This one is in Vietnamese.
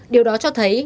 điều đó cho thấy